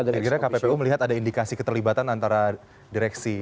kira kira kppu melihat ada indikasi keterlibatan antara direksi